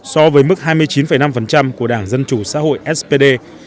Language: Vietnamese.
so với mức hai mươi chín năm của đảng dân chủ xã hội spd